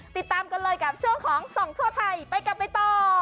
ติดตามกันเลยกับช่วงของส่องทั่วไทยไปกับใบต่อ